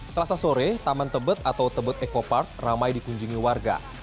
selasa sore taman tebet atau tebet eco park ramai dikunjungi warga